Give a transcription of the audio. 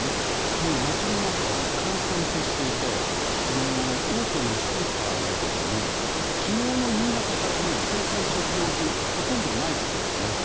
もう、街の中は閑散としていて大手のスーパーなどでも昨日の夕方から生鮮食料品がほとんどないそうです。